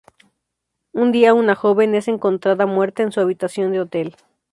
Un día una joven es encontrada muerta en su habitación de hotel.